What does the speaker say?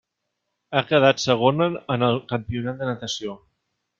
Ha quedat segona en el campionat de natació.